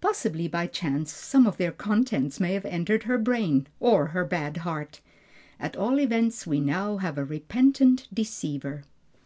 Possibly, by chance some of their contents may have entered her brain, or her bad heart. At all events we now have a repentant deceiver."